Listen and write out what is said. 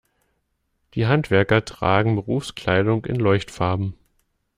Die Handwerker tragen Berufskleidung in Leuchtfarben.